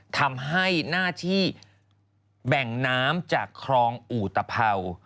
ทำให้หน้าที่แบ่งน้ำจากครองอุตภาว